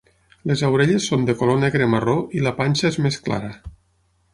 Les orelles són de color negre marró i la panxa és més clara.